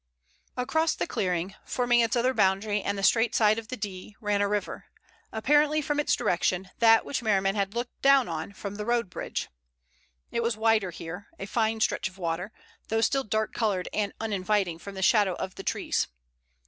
Across the clearing, forming its other boundary and the straight side of the D, ran a river, apparently from its direction that which Merriman had looked down on from the road bridge. It was wider here, a fine stretch of water, though still dark colored and uninviting from the shadow of the trees.